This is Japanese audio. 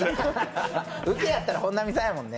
ウケやったら本並さんやもんね。